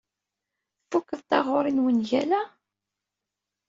Tfukeḍ taɣuri n wungal-a?